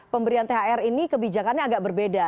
pemberian thr ini kebijakannya agak berbeda